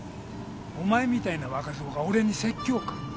お前みたいな若造が俺に説教か？